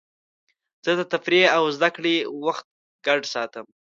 زه د تفریح او زدهکړې وخت ګډ ساتم.